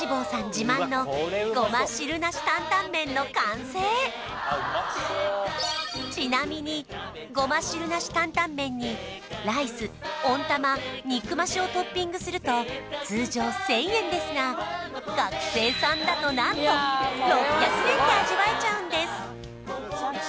自慢の胡麻汁なし担担麺の完成ちなみに胡麻汁なし担担麺にライス温玉肉増をトッピングすると通常１０００円ですが学生さんだと何と６００円で味わえちゃうんです